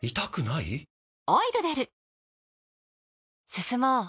進もう。